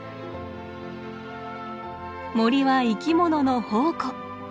森は生き物の宝庫。